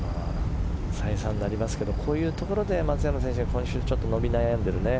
再三になりますけどこういうところで松山選手、今週ちょっと伸び悩んでるね。